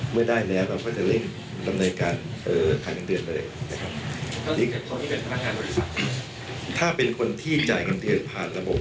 เมื่อได้แล้วเราก็จะเร่งดำเนินการขายเงินเดือนเลยนะครับ